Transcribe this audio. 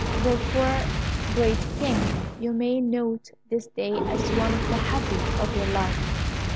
Therefore, great King, you may note this day as one of the happiest of your life."